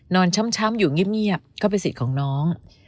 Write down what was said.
ช้ำอยู่เงียบก็เป็นสิทธิ์ของน้อง